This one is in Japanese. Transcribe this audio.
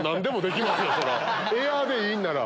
エアーでいいんなら。